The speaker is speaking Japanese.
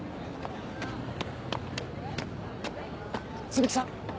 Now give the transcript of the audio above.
摘木さん？